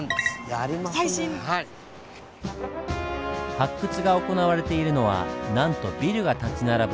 発掘が行われているのはなんとビルが立ち並ぶ